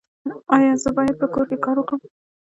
ایا زه باید په کور کې کار وکړم؟